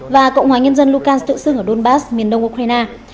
và cộng hòa nhân dân lugansk tự xưng ở donbass miền đông ukraine